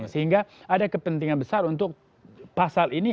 sehingga ada kepentingan besar untuk pasal ini